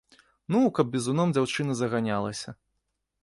Ну, каб бізуном дзяўчына заганялася.